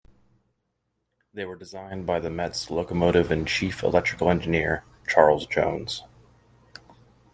They were designed by The Met's Locomotive and Chief Electrical Engineer, Charles Jones.